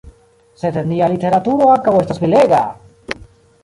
Sed nia literaturo ankaŭ estas belega!